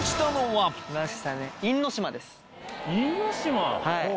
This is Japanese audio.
はい。